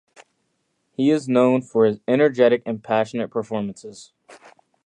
He is known for his energetic and passionate performances.